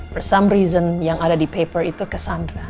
for some reason yang ada di paper itu cassandra